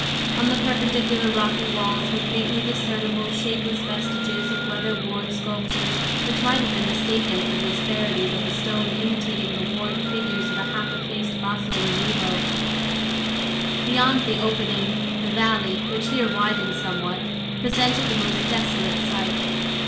On the perpendicular rocky walls were faintly discernible shapeless vestiges of weather worn sculptures which might have been mistaken for the asperities of the stone imitating the worn figures of a half effaced basso relievo. Beyond the opening, the valley, which here widened somewhat, presented the most desolate sight.